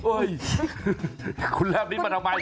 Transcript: คุณแรบนี้มาทำไม